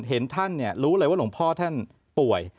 เห็นท่านรู้เลยว่าหลวงพ่อท่านป่วย